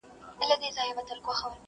پل مي دي پیدا کی له رویبار سره مي نه لګي!